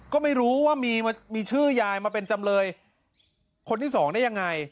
ก็ไม่รู้ว่ามีชื่อยายมาเป็นจำเลยคนที่สองได้ยังไง